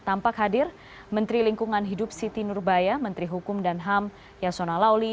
tampak hadir menteri lingkungan hidup siti nurbaya menteri hukum dan ham yasona lawli